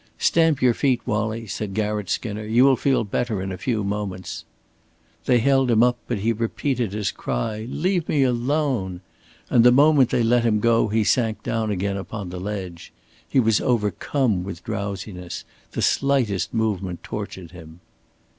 "Stamp your feet, Wallie," said Garratt Skinner. "You will feel better in a few moments." They held him up, but he repeated his cry. "Leave me alone!" and the moment they let him go he sank down again upon the ledge. He was overcome with drowsiness, the slightest movement tortured him.